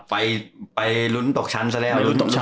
ไปรุ้นตกชั้นซะแล้ว